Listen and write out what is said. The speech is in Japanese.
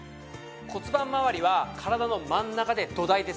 骨盤まわりは体の真ん中で土台です。